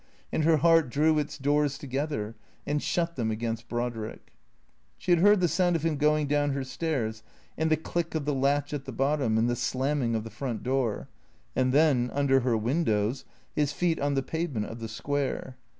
And her heart drew its doors together and shut them against Brodrick. She had heard the sound of him going down her stairs, and the click of the latch at the bottom, and the slamming of the front door; and then, under her windows, his feet on the pave ment of the Square.